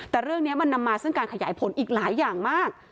แต่เรื่องนี้มันนำมาซึ่งการขยายผลอีกหลายอย่างมาก